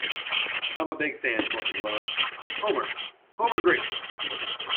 I'm a big fan, Courtney Love.Homer: Homer Grateful!